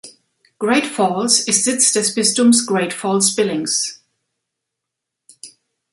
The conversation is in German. Great Falls ist Sitz des Bistums Great Falls-Billings.